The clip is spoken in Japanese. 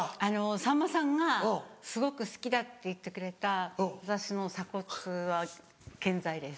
さんまさんがすごく好きだって言ってくれた私の鎖骨は健在です。